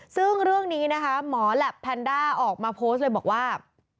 ซึ่งเรื่องนี้นะคะหมอแหลปแพนด้าออกมาโพสต์เลยบอกว่า